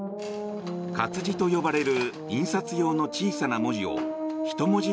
活字と呼ばれる印刷用の小さな文字を１文字